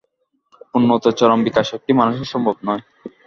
পূর্ণত্বের চরম বিকাশ একটি মানুষে সম্ভব নয়।